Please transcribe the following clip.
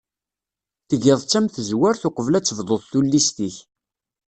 Tgiḍ-tt am tezwart uqbel ad tebduḍ tullist-ik.